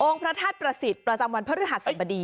พระธาตุประสิทธิ์ประจำวันพระฤหัสสบดี